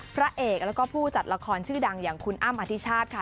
พระเอกแล้วก็ผู้จัดละครชื่อดังอย่างคุณอ้ำอธิชาติค่ะ